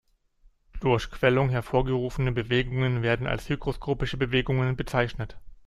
Durch Quellung hervorgerufene Bewegungen werden als hygroskopische Bewegungen bezeichnet.